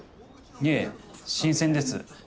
いえ新鮮です。